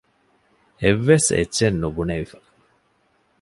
އެއްވެސް އެއްޗެއް ނުބުނެވިފަ